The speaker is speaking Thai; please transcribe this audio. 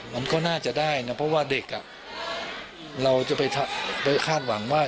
มันก็น่าจะได้นะเพราะว่าเด็กเราจะไปคาดหวังว่า